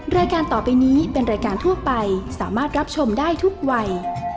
รายการต่อไปนี้เป็นรายการทั่วไปสามารถรับชมได้ทุกวัย